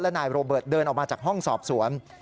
นายโรเบิร์ตเดินออกมาจากห้องสอบสวน